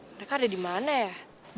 mereka ada di mana